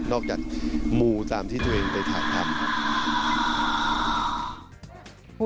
นอกจากมูตามที่ตัวเองไปถ่ายพันธุ์